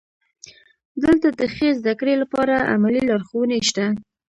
دلته د ښې زده کړې لپاره عملي لارښوونې شته.